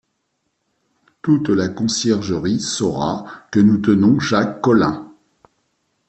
Toute la Conciergerie saura que nous tenons Jacques Collin…